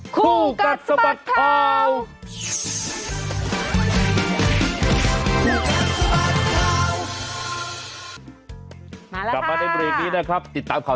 ครูกัดสมัครข่าว